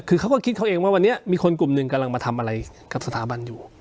คือเขาก็คิดเขาเองว่าวันนี้มีคนกลุ่มหนึ่งกำลังมาทำอะไรกับสถาบันอยู่